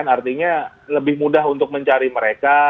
artinya lebih mudah untuk mencari mereka